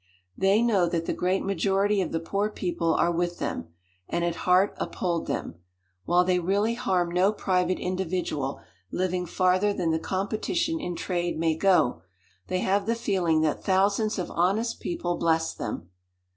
"They know that the great majority of the poor people are with them, and at heart uphold them. While they really harm no private individual living farther than the competition in trade may go, they have the feeling that thousands of honest people bless them.